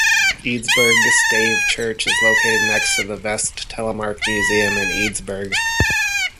Eidsborg Stave Church is located next to the Vest-Telemark Museum in Eidsborg.